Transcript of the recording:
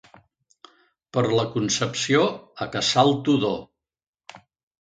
Per la Concepció, a caçar el tudó.